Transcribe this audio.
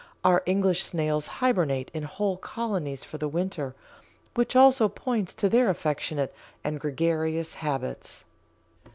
Our English snails hibernate in whole colonies for the winter, which also points to their affectionate and gregarious habits.